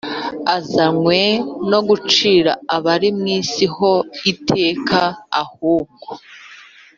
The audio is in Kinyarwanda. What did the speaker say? ntazanywe no gucira abari mu isi ho iteka ahubwo